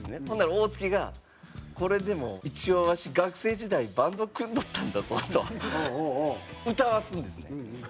ほんなら大槻が「これでも一応ワシ学生時代バンド組んどったんだぞ？」と歌わすんですね。